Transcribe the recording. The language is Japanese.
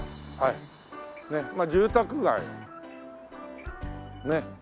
まあ住宅街ねっ。